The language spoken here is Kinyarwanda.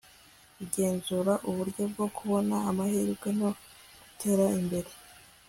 igenzura uburyo bwo kubona amahirwe no gutera imbere